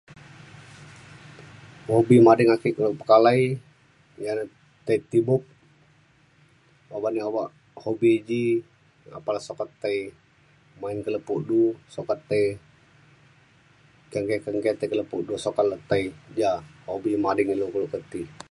hobi mading ake kelo pekalai ya na tai tibup uban ya obak hobi di apan le sukat tai main ke lepo du sukat tei kenggei kenggei tai ke lepo du sukat le ti ja hobi mading ilu kelo ke ti